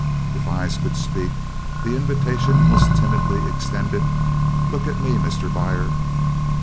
If eyes could speak, the invitation was timidly extended, "Look at me, Mr. Buyer."